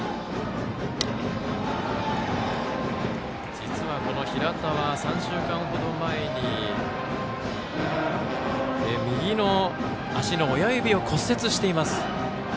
実は、この平田は３週間程前に右足の親指を骨折しています。